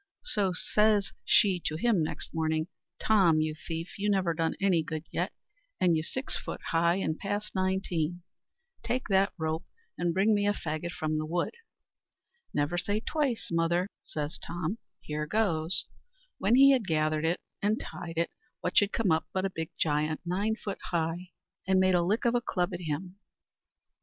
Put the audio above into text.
So says she to him next morning, "Tom, you thief, you never done any good yet, and you six foot high, and past nineteen; take that rope and bring me a faggot from the wood." "Never say't twice, mother," says Tom "here goes." When he had it gathered and tied, what should come up but a big giant, nine foot high, and made a lick of a club at him.